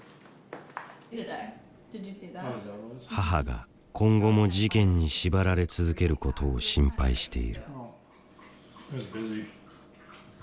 母が今後も事件に縛られ続けることを心配している。